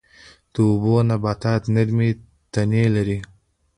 د اوبو نباتات نرمې تنې لري